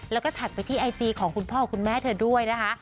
แล้วก็แท็กไปที่ไอจีของคุณพ่อคุณแม่เธอด้วยนะคะ